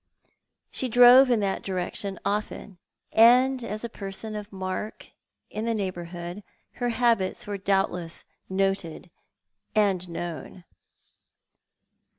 She drove in that direc tion often, and as a person of mark in the neighbourhood her habits were doubtless noted and known.